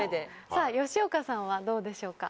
さぁ吉岡さんはどうでしょうか？